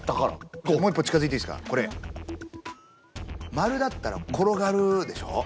丸だったら転がるでしょ？